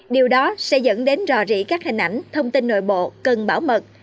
điều đó sẽ dẫn đến rò rỉ các hình ảnh thông tin nội bộ cần bảo mật